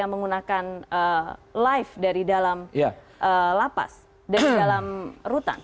yang menggunakan live dari dalam lapas dari dalam rutan